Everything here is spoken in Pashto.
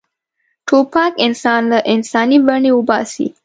توپک انسان له انساني بڼې وباسي.